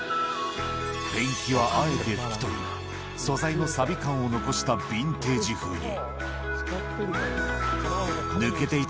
ペンキをあえて拭き取り、素材のさび感を残したビンテージ風に。